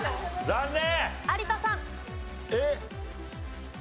残念！